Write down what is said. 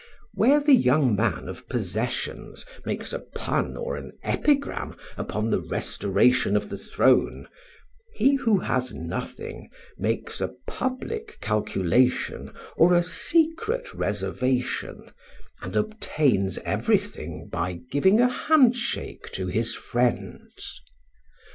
Where the young man of possessions makes a pun or an epigram upon the restoration of the throne, he who has nothing makes a public calculation or a secret reservation, and obtains everything by giving a handshake to his friends.